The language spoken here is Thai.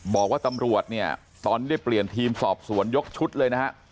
บอกว่าตำรวจเนี่ยตอนนี้ได้เปลี่ยนทีมสอบสวนยกชุดเลยนะฮะ